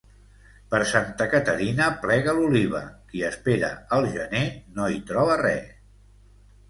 Per Santa Caterina plega l'oliva; qui espera el gener no hi troba res.